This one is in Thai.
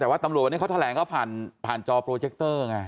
แต่ว่าตำรวจวันนี้เขาแถลงเขาผ่านผ่านจอโปรเจคเตอร์ไง